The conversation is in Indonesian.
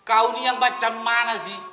kau ini yang baca mana sih